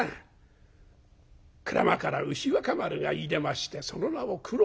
『鞍馬から牛若丸がいでましてその名を九郎』。